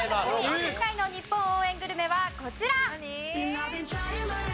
今回の日本応援グルメはこちら！